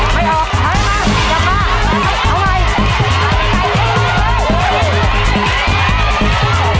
ไม่ออกมา